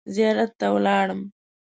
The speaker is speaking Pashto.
زیارت ته ولاړم.